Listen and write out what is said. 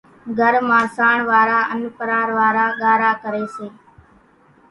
گھر مان سانڻ وارا انين ڀرار وارا ڳارا ڪري سي،